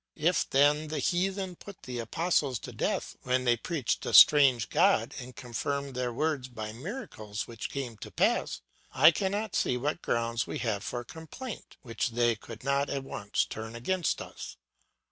If then the heathen put the apostles to death when they preached a strange god and confirmed their words by miracles which came to pass I cannot see what grounds we have for complaint which they could not at once turn against us.